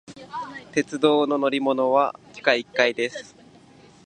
鉄道の乗り場は地下一階です。